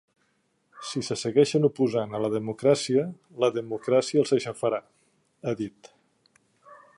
Si se segueixen oposant a la democràcia, la democràcia els aixafarà, ha dit.